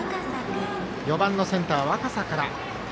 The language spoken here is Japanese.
４番センター、若狭から。